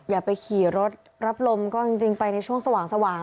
อย่าไปขี่รถรับลมก็จริงไปในช่วงสว่าง